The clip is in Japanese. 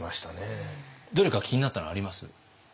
どれか気になったのあります？